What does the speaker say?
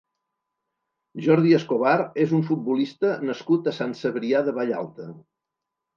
Jordi Escobar és un futbolista nascut a Sant Cebrià de Vallalta.